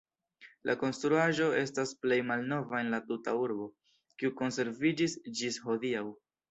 La konstruaĵo estas la plej malnova en la tuta urbo, kiu konserviĝis ĝis hodiaŭ.